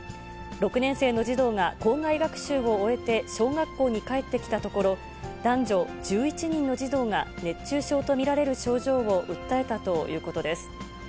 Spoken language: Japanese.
６年生の児童が校外学習を終えて小学校に帰ってきたところ、男女１１人の児童が熱中症と見られる症状を訴えたということです。